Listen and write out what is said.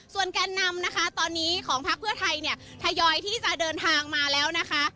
แกนนำนะคะตอนนี้ของพักเพื่อไทยเนี่ยทยอยที่จะเดินทางมาแล้วนะคะ